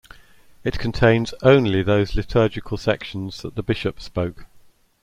It contains only those liturgical sections that the bishop spoke.